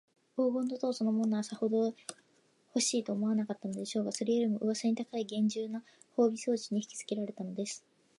黄金の塔そのものは、さほどほしいとも思わなかったでしょうが、それよりも、うわさに高いげんじゅうな防備装置にひきつけられたのです。